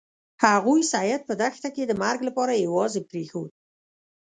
هغوی سید په دښته کې د مرګ لپاره یوازې پریښود.